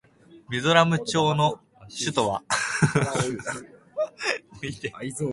ミゾラム州の州都はアイゾールである